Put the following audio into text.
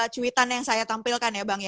cuitan yang saya tampilkan ya bang ya